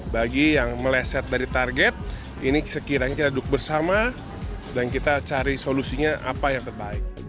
bagi yang meleset dari target ini sekiranya kita duduk bersama dan kita cari solusinya apa yang terbaik